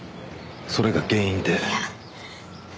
それが原因で。